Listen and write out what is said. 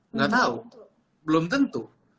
enggak tahu belum tentu